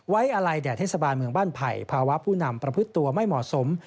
อะไรแด่เทศบาลเมืองบ้านไผ่ภาวะผู้นำประพฤติตัวไม่เหมาะสม